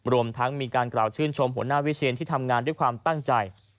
รวมทั้งมีการกล่าวชื่นชมหัวหน้าวิเชียนที่ทำงานด้วยความตั้งใจ